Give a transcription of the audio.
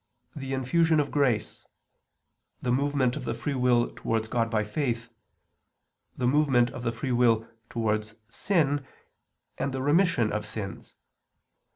the infusion of grace, the movement of the free will towards God by faith, the movement of the free will towards sin, and the remission of sins.